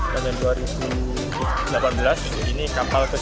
tahun dua ribu delapan belas ini kapal ke sebelas